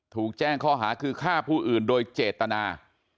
ถูกแจ้งข้อหาคือฆ่าผู้อื่นโดยเจตนา